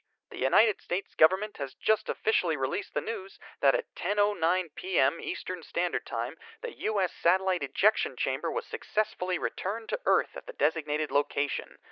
The United States Government has just officially released the news that at 10:09 p.m. Eastern Standard Time the U. S. Satellite ejection chamber was successfully returned to earth at the designated location.